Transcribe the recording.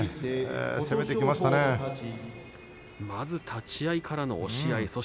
まず立ち合いからの押し合い。